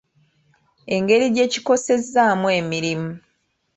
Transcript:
Engeri gye kikosezzaamu emirimu.